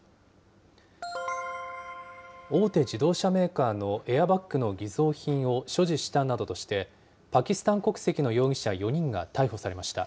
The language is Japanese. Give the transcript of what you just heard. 大手自動車メーカーのエアバッグの偽造品を所持したなどとして、パキスタン国籍の容疑者４人が逮捕されました。